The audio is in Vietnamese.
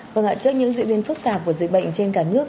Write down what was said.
vâng ạ trước những diễn biến phức tạp của dịch bệnh trên cả nước